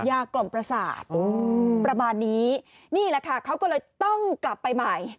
กล่อมประสาทประมาณนี้นี่แหละค่ะเขาก็เลยต้องกลับไปใหม่